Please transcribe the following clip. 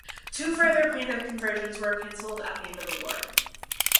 Two further planned conversions were canceled at the end of the war.